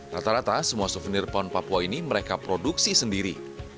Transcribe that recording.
rata rata semua souvenir pon papua ini mereka produksi sendiri